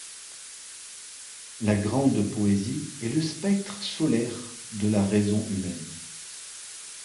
La grande poésie est le spectre solaire de la raison humaine.